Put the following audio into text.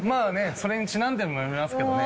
それにちなんでも読みますけどね。